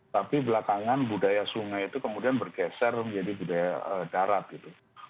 tapi belakangan budaya sungai itu kemudian bergeser menjadi budaya darat gitu